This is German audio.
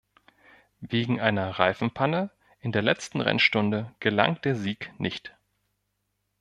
Wegen einer Reifenpanne in der letzten Rennstunde gelang der Sieg nicht.